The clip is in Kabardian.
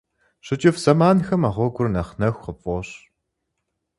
ЩыкӀыфӀ зэманхэм а гъуэгур нэхъ нэху къыпфӀощӏ.